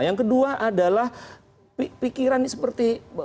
yang kedua adalah pikiran seperti